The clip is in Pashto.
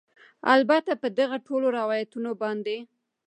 البته په دغه ټولو روایتونو باندې